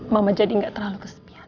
mama jadi nggak terlalu kesepian